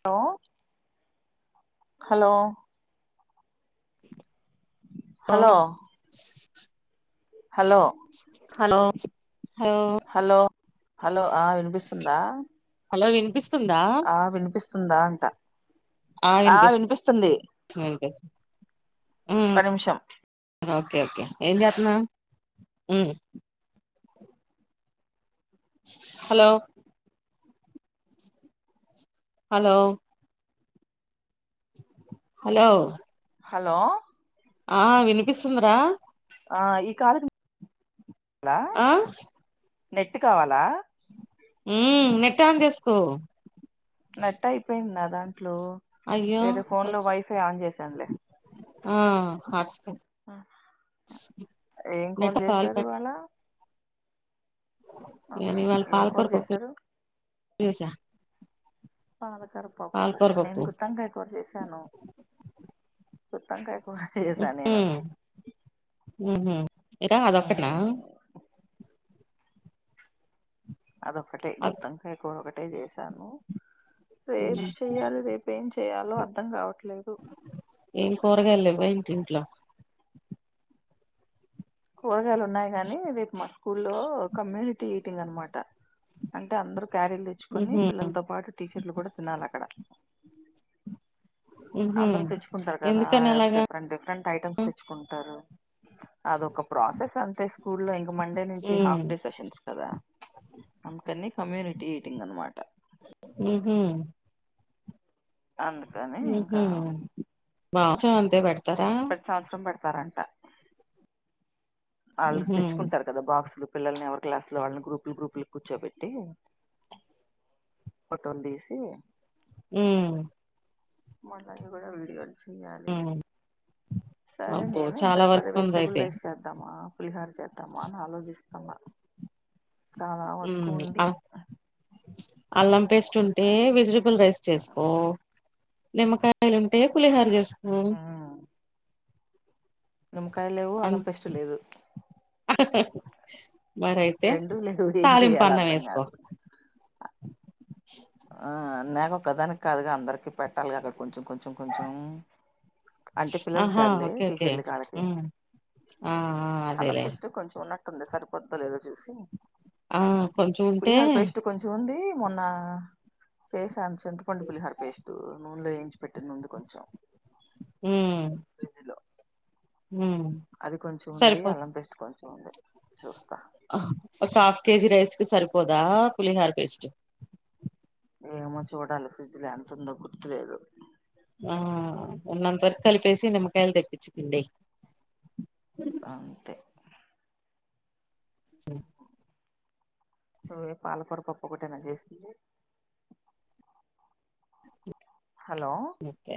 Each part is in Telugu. హలో హలో లో hello hello hello hello hello ఆ వినిపిస్తుందా హలో వినిపిస్ ఆ వినిపిస్తుందా అంట ఆ వినిపిస్తుంది వినిపిస్తుంది ఉమ్ ఒక్క నిమిషం ఓకే ఓకే ఏం చెత్తన్నావ్ మ్మ్ హలో హలో హలో హలో ఆ వినిపిస్తుందరా ఆ ఈ కాల్ [unintelligible] ఆ నెట్టు కావాలా హ్మ్ నెట్టు ఆన్ చేసుకో నెట్ అయిపోయింది నా దాంట్లో అయ్యో వేరే ఫోన్ లో వై ఫై ఆన్ చేసాన్ లే ఆ హాట్స్పాట్ ఏం కూర నెట్ట కాల్ చేశారు పెట్ ఇవాళ ఓకే ఎనిమల్ ఏం పాల్ కూర [unintelligible] చేశారు చేసా పాలకర పప్పు పాలకూర నేను పప్పు గుత్తంకాయ కూర చేసాను గుత్తంకాయ కూర చేశాను నేను హ్మ్ హు ఇగ అదొక్కటేనా అదొకటే గుత్తోంకాయ కూర ఒకటే చేశాను రేపు చెయ్యాలి రేపు ఏం చే య్యాలో అర్థం కావట్లే ఏం కూరగాయలు లేవా ఇంటి ఇంట్లో కూరగాయలు ఉన్నాయి గాని రేపు మా స్కూల్లో కమ్యూనిటీ ఈటింగ్ అనమాట అంటే అందరుూ క్యారీలు తెచ్చుకొని ఉహూ పిల్లలతో పాటు టీచర్లు కూడా తినాలి అక్కడ ఉహూ అందరు తెచ్చుకుంటారు కదా ఎందుకని అలాగా డిఫరెంట్ డిఫరెంట్ ఐటమ్స్ తెచ్చుకుంటారు అదొక ప్రాసెస్ అంతే స్కూల్లో ఇంకా మండే నుంచి ఉమ్ హాఫ్ డే సెషన్స్ కదా అందుకని కమ్యూనిటీ ఈటింగ్ అనమాట హ్మ్ హు అందుకని మ్మ్ హు ఇంకా బా చొ అంతే పెడతారు ప్రతి సంవత్సరం పెడతారంట ఆళ్ళు ఉహు తెచ్చుకుంటారు కదా బాక్సులు పిల్లల్ని ఎవరి క్లాస్ లో వాళ్ళని గ్రూపులు గ్రూపులు కూర్చోబెట్టి పొటోలు తీసి మ్మ్ మలా ఇవడ విడియో చెయ్యాలి ఉ సరే అబ్బో నేను ఇంకా చాలా పద వర్క్ ఉంది వెజిటబుల్ అయితే రైస్ చేద్దామా బహార్ చేద్దామా అని ఆలోచిస్తన్నా అ అల్లంపేస్ ంటే అది వెజిటబుల్ రైస్ చేసుకో నిమ్మకాయలుంటే కూలిహర చేసుకో అ నుమ్మకాయ లేవు అల్లం పెస్ట్ లేదు మరి అయితే రెండు లేవు ఏం తాలిం చెయ్యాలో పన్నం అర్థం వేసుకో కావట్లే ఆ నాక ఒకదానికి కాదుగా అందరికిీ పెట్టాలి అక్కడ కొంచెం కొంచెం కొంచెం అంటే పిల్లలకి ఆహా గదిలే ఓకే ఓకే టీచర్లు కాళకి ఉ ఆ ఆ అదేలే అల్లంపిస్టు కొంచెం ఉన్నట్టుంది సరిపోద్దులుద చూసి ఆ కొంచెం ఉంటే పల్లారు పసిట్ కొంచం ఉంది మొన్న చేసాను చింతపొం పులిహర పేస్ట్ నూనెలో వయించి పెట్టినంది కొంచెం ఆ ఫ్రిడ్జ్ లో అది కొంచెం ఉంది అల్లం పెస్ట్ కొంచెం ఉంది చూస్త ఒక హాఫ్ కేజి రైస్కి సరిపోదా పులిహార్ పేస్ట్ ఏమో చూడాలి ఫ్రిడ్జ్ లో ఎంత ఉందో గుర్తులేదు తొకాల పేసి నమ కయల్ తెప్పించుకుందే అంతే సం ఏ పాలప పప్ప కట్టనా చేసి హలో ఓకే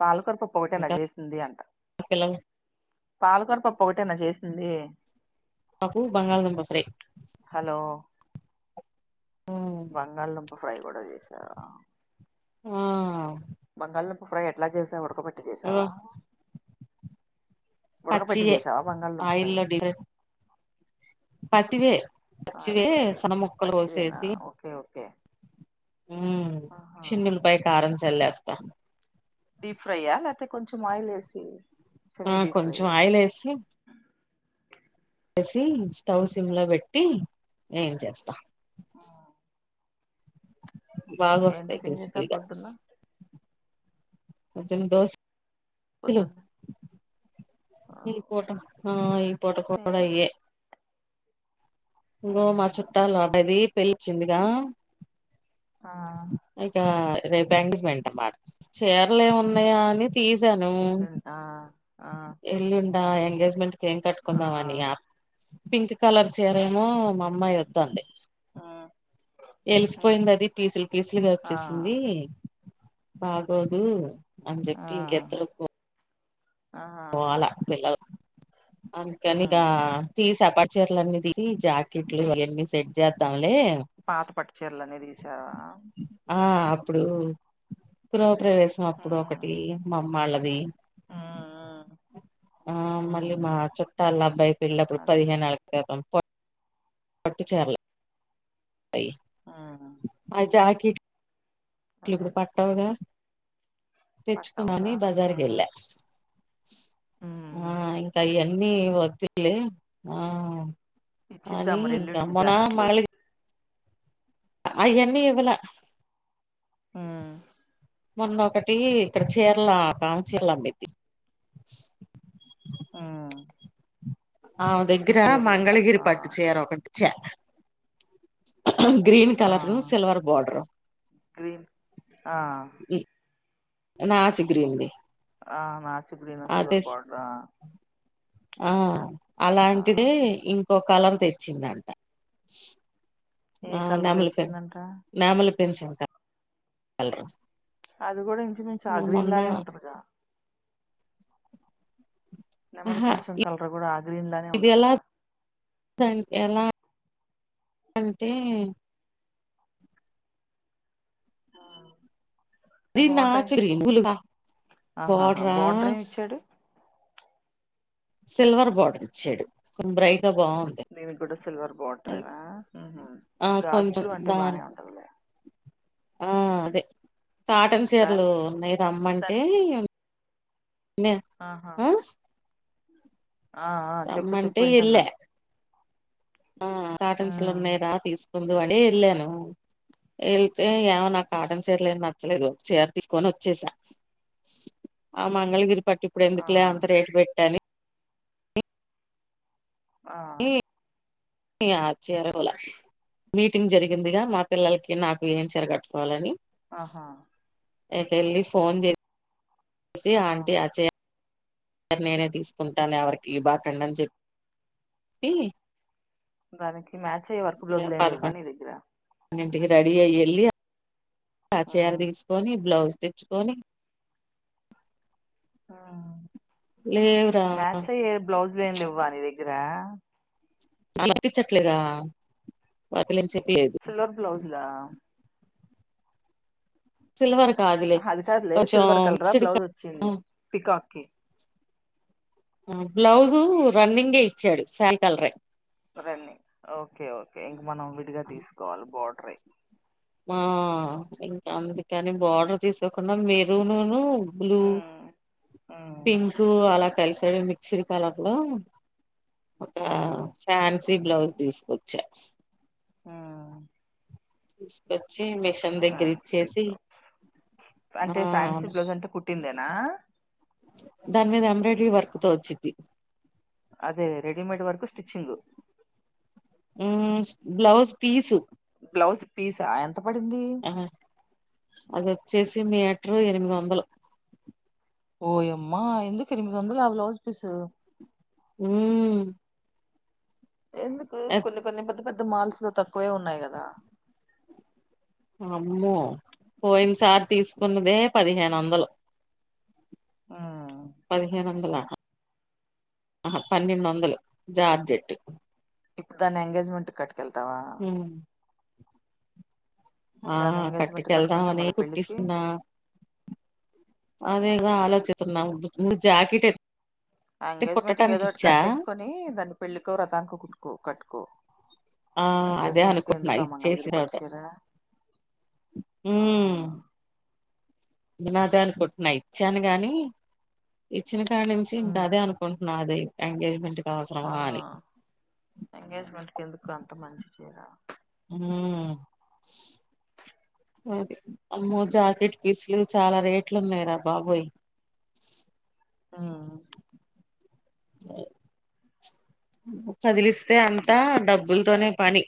పాలకొరపు పొట ఇంకా నజేసింది అంట పిల్లలు పాలకూర పప్పు ఒకటేనా చేసింది అకు బంగాళ నుం బ ఫరే హలో పోవు బంగాళదుంప ఫ్రై కూడా చేశారా ఆ బంగాళ దుంప ఫ్రై ఎట్లా చేసావా ఉడకబెట్టి చేసావా పచ్చయే బంగాళదుంప ఫ్రై ఆయిల్డి పతివే పచ్చివే ఆయిల్ అది సన్న మొక్కలు పచ్చివేనా వసేసి ఓకే ఓకే ఉ ఆహా చిన్నల ప కారం చల్లేస్తా డీప్ ఫ్రైయా లేకపోతే కొంచెం ఆయిల్ వేసి ఆ సెమీ డీప్ కొంచెం ఫ్రైయా ఆయిలేస్ సి స్టవ్ సిమ్ లో పెట్టి ఏం చేస్తా ఆ బాగ వస్తస్తాయి టిఫిన్ చేసావ్ క్రిస్పిగా పొద్దున్న మ దోస పద్ద ఈ ఫట ఈ ఫట నే కూడాడయే ఇం ఆ గో మా చుట్టలాడది పలిచిందిగా ఆ ఇక రేప్ ఎంగేజ్మెంట్ అమాట చరలు ఏమి ఉన్నాయా అని తీసాను ఎల్లుండి ఆ ఆ ఎల్లుండా ఎంగేజ్మెంట్ ఏం ఆ కట్టుకుందామని పింక్ కలర్ చీర ఏమో మా అమ్మాయి వద్దంది ఆ ఎలిసిపోయింది అది పీసులు పీసులుగా ఆ వచ్చేసింది బాగోదు అం చెప్పటి ఇంక ఎద్దరుకో ఆ ఆ పోవాలా పిల్లలు అందుకని ఇక ఉమ్ తీసా పట్ పక్చర్లు అన్ని తీసి జాకెట్లు ఇవన్నీ సెట్ చేద్దాంలే పాత పట్టుచర్లనే తీసావా ఆ అప్పుడు క్రాప్ ప్రవేశం అప్పుడు ఒకటి ఉమ్ మామ్మళ్ళది ఉమ్ ఆ మళ్ళీ ఉమ్ మా చుట్టాల అబ్బాయిది వెళ్ళప్పుడు అదేలే పదిహేనేళ్ళ క్రితం పట్టు చీరలే ఉమ్ ఆ జాకిట్ ట్లు ఇపుడు అదేలే పట్టవుగా పట్టావుగా తెచ్చుకుందామని బజార్కి ఉమ్ వెళ్ళా ఉమ్ ఆ ఇంక అయన్నీ వద్దులే ఆ ఇచ్చిద్దాం అని మరి ఇంగ ఎల్లుండికి మొన్న జాకెట్లు మాల్ అయ్యన్నీ ఇవ్వళా ఉమ్ మొన్నొకటి ఇక్కడ కేరళ బాగా చీరలు అమ్మిద్ది ఆ ఆమె దగ్గర మంగళగిరి ఆ పట్టు చీర ఒకటి ఇచ్చా గ్రీన్ ఆ కలరు సిల్వర్ బాడరు గ్రీన్ ఆ నాచు గ్రీన్ ది ఆ నాచు గ్రీన్ సిల్వర్ బార్డరా ఆ అలాంటిదే ఇంకో కలర్ తెచ్చిందంట ఏ ఆ కలర్ నెమలి పెన్ తెచ్చిందంట నెమలి పించం కలరు అది కూడా ఇంచు మించు ఆ గ్రీన్ లానే ఉంటదికా నెమలి ఆహా పించం కలర్ కూడా ఆ గ్రీన్ లానే ఇదెలా ఉంటదిగా ఉంటదంటే అంటే ఆ అది నాచు గ్రీన్ ఆహాహా బార్డర్ ఏం ఇచ్చాడు సిల్వర్ బార్డర్ ఇచ్చాడు కొంచం బ్రైట్ గా బాగుంది దీనికి కూడా సిల్వర్ బార్డరేనా ఆ గాజు కొంచెం బ్లూ అంటే దాన్ బానే ఉంటదిలే ఆ అదే కాటన్ దాని చీరలు ఉన్నయి రమ్మంటే దాని ఆహా ఆ ఆ ఆ చెప్పు చెప్పు రమ్మంటే వింటన్నా ఎళ్ళా ఆ కాటన్ చీరలు ఉమ్ ఉన్నాయి రా తీసుకుందువు అంటే వెళ్ళాను వెళ్తే ఇగ నాకు కాటన్ చీరలు ఏం నచ్చలేదు చీర తీసుకొని వచ్చేసా ఆ మంగళగిరి పట్టు ఇప్పుడు ఆ ఎందుకు లే అంత రేటు పెట్టి అని ఆ అని ఇగ ఆ చీర కొనలా మీటింగ్ జరిగిందిగా మా పిల్లలకి నాకు ఏం చీర కట్టుకోవాలని ఆహా ఇక వెళ్ళి ఫోన్ చేసి ఆంటీ ఆ చీర ర నేనే తీసుకుంటాను ఎవరికి ఇయ్యబాకండి అని చెప్పి దానికి మ్యాచ్ అయ్యే వర్క్ బ్లౌజులు ఏం లెవ్వా నీ దగ్గర టికీ రెడీ అయ్యి వెళ్ళి ఆ చీర ఉహు తీసుకొని బ్లౌజ్ తెచ్చుకొని ఆ లేవురా మ్యాచ్ అయ్యే బ్లౌజ్లేం లెవ్వా నీ ద గ్గర అలా అనిపించట్లేగా [unintelligible] సిల్వర్ బ్లౌస్లా సిల్వర్ కాదులే అదికాదులే కొంచెం సిల్వర్ కలర్ మిక్స్డ్ బ్లౌజ్ వచ్చింది పికాక్కి బ్లౌజు రన్నింగే ఇచ్చాడు శారీ కలరే రన్నింగ్ ఓకే ఓకే ఇంక మనం విడిగా తీసుకోవాలి బార్డర్వి ఆ ఇంకా అందుకని బార్డర్ తీసుకోకుండా మెరునూను బ్లూ ఉమ్, ఉమ్, పింక్ అలా కలిసాడు మిక్స్డ్ కలర్ లో ఒక ఉమ్, ఫ్యాన్సీ బ్లౌజ్ తీసుకొచ్చా ఆ తీసికోచ్ మిషన్ ఫ్యాన్సీ దగ్గరిచ్చేసి బ్లౌజ్ ఆ నా దాన్ మీద ఎంబ్రాయిడరీ వర్క్తో వచ్చిది అదే రెడిీమేడ్ వర్కు స్టిచ్చింగ్ మ్ బ్లౌజ్ పీసు బ్లౌజ్ పీస ఎంత పడింది అహ అదిొచ్చేసి మీటరు ఎనిమిది వందలు ఓయ్ అమ్మా ఎందుక్ ఎనిమిది వందలా బ్లౌజ్ పీసు ఉమ్ ఎందుకు కొన్ని కొన్ని పెద్ద పెద్ద మాల్స్ లో తక్కువే ఉన్నాయి కదా అమ్మో పోయిన్ సార్ తీసుకున్నదే పదిహేను వందలు ఆ పదిహేను వందల అహ పన్నెండు వందలు జార్జెట్ ఇప్పుడు దాన్ని ఎంగేజ్మెంట్ కట్కెళ్తావా మ్మ్ ఆ దాన్ని ఎంగేజ్మెంట్ కట్టుకుంటే కట్టుకెళ్దామని మళ్ళీ పెళ్ళికి కుట్టిస్తున్నా అదేగ ఆలోచితున్నా ముందు జాకెట్ తే ఎంగేజ్మెంట్ కొట్టడానికి కేదో ఒకటి ఇచ్చా కట్టేసుకొని దాన్ని పెళ్లికో వ్రతానికి కుట్టుకో కట్టుకో ఆ అదే ఎంగేజ్మెంట్ కి అనుకుంటున్నా ఎందుకు ఆ ఇచ్చేసి మంగళగిరి నాతో పట్టుచీర ఆ నా దేనుకుంటున్నా ఇచ్చాను గాని ఇచ్చిిన్కాడ నుంచి ఇంక ఉమ్ అదే అనుకుంటున్నా అది ఎంగేజ్మెంట్ కి అవసరమా ఆ అని ఎంగేజ్మెంట్ కేందుకు అంత మంచి చీరా హు అది అమ్మో జాకిట్ పీస్లు చాల రేట్లున్నాయరా బాబోయ్ మ్ హయ్ కద్లిస్తే అంతా డబ్బుల్తోనే పని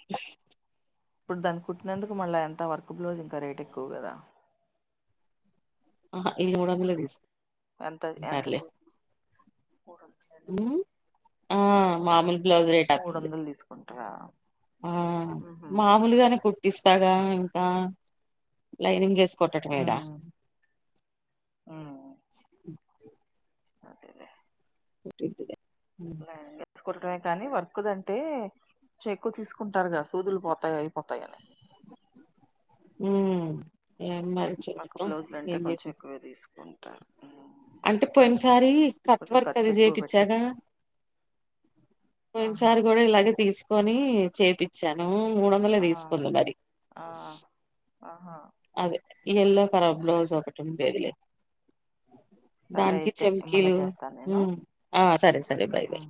ఇప్పుడు దాన్ని కుట్టినందుకు మళ్ళ ఎంత వర్క్ గ్లౌజ్జ ఇంకా రేట్ ఎక్కువ కదా అహా ఇవి మూడొందలే తీస్ ఎంత ఎంత చూపు హ్మ్ ఆ మామూల్ మూడొందలు తీసుకుంటారా ఆ ఉహు మామూల్గానే కుట్టిస్తాగ ఇంకా లైనింగ్ చేస్త కుట్టటమేగ ఉమ్ అదేలేే కుట్టిద్దిలే కురటమే కానీ వర్క్ దంటే చెక్కువ తీసుకుంటారుగా సూదులు పోతాయి అయిపోతాయని మ్ ఏం మరి చెత ఏ కుంటార అంటే పోయినసారి కొంచెం కట్వర్క్ ఖర్చు అది ఎక్కువ పెట్టి చేపిచ్చాగ పోయిన్ ఆహా సారి గూడ ఇలాగే తీసి కోనీ చేపిచ్చాను మూడు వందలే ఆ తీసుకుంది మరి ఆ ఆహా అదే ఎల్లో కలర్ సరే దాన్కి అయితే మళ్ళా చెంకీలు చేస్తాను నేను ఆ సరే సరే బై్ ఉమ్. బయ్